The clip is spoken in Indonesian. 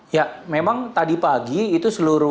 ya memang tadi pagi itu seluruh